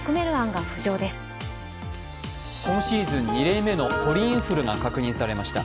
今シーズン２例目の鳥インフルが確認されました。